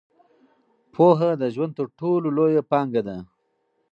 پوهه د ژوند تر ټولو لویه پانګه ده.